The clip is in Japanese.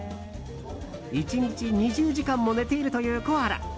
１日２０時間も寝ているというコアラ。